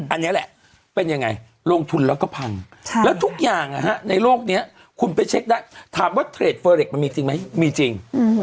อันนี้แหละเป็นยังไงลงทุนแล้วก็พังแล้วทุกอย่างในโลกนี้คุณไปเช็คได้ถามว่าเทรดเฟอร์เล็กมันมีจริงไหมมีจริง